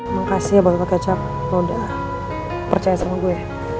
makasih ya botol kecap lo udah percaya sama gue